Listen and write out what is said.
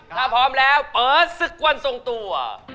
ถ้าพร้อมแล้วเปิดศึกวันทรงตัว